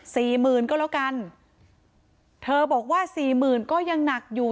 สี่หมื่นก็แล้วกันเธอบอกว่าสี่หมื่นก็ยังหนักอยู่